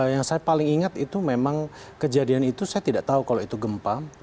yang saya paling ingat itu memang kejadian itu saya tidak tahu kalau itu gempa